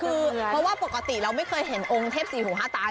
คือเพราะว่าปกติเราไม่เคยเห็นองค์เทพสี่หูห้าตา